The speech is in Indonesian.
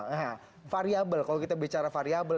nah variable kalau kita bicara variable